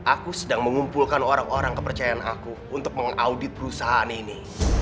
aku sedang mengumpulkan orang orang kepercayaan aku untuk mengaudit perusahaan ini